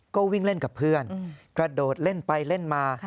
ก็วิ่งเล่นกับเพื่อนกระโดดเล่นไปเล่นมา